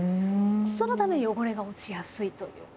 そのため汚れが落ちやすいという。